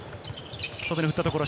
外に振ったところ。